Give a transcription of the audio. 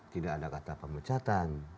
tidak ada kata pemecatan